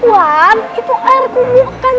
tuan itu air gobokan